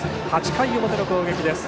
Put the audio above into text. ８回表の攻撃です。